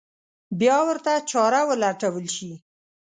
بیا ورته چاره ولټول شي.